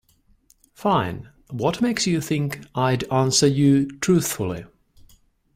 Fine, what makes you think I'd answer you truthfully?